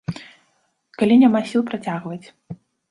Калі няма сіл працягваць.